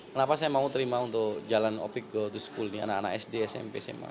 kenapa saya mau terima untuk jalan opik ke to school ini anak anak sd smp sma